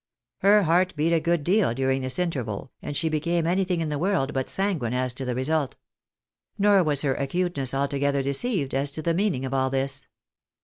Her heart beat a good deal during this interval, and she became anything in the world but sanguine as to the result. Nor was her acuteness altogether deceived as to the meaning of all this.